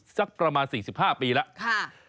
สักประมาณ๔๕ปีแล้ว